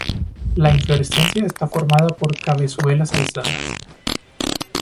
La inflorescencia está formada por cabezuelas aisladas.